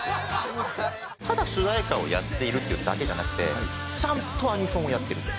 ただ主題歌をやっているっていうだけじゃなくてちゃんとアニソンをやってると。